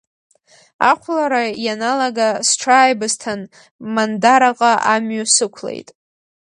Ахәлара ианалага сҽааибысҭан, Мандараҟа амҩа сықәлеит.